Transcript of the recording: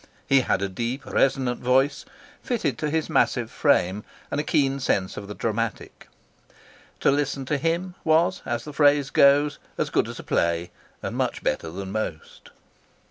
He had a deep, resonant voice, fitted to his massive frame, and a keen sense of the dramatic. To listen to him was, as the phrase goes, as good as a play; and much better than most.